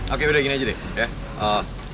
oke udah gini aja deh ya